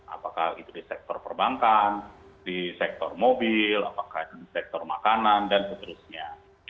apakah itu di sektor perbankan di sektor mobil apakah di sektor makanan dan seterusnya